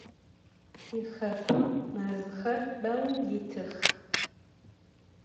Tixekum mezxer beu yitıx.